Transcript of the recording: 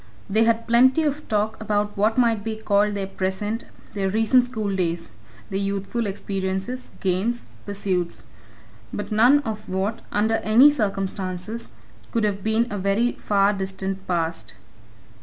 They had plenty of talk about what might be called their present their recent schooldays, their youthful experiences, games, pursuits but none of what, under any circumstances, could have been a very far distant past.